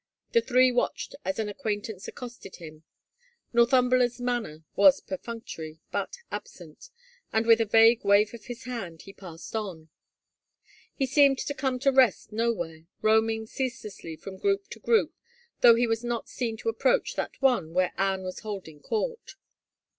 The three watched as an acquaintance accosted him ; Northumberland's man ner was perfunctory but absent, and with a vague wave of his hand he passed on. He seemed to come to rest nowhere, roaming ceaselessly from group to group though he was not seen to approach that one where Anne was holding court.